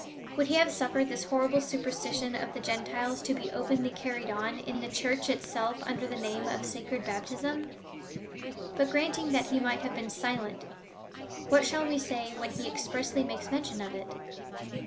Would he have suiFered this horrible superstition of the Gentiles to be openly carried on in the Church itself under the name of sacred baptism ? But granting that he might have been silent, what shall we say when he expressly makes mention of it